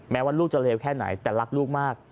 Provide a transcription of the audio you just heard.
ว่าลูกจะเลวแค่ไหนแต่รักลูกมาก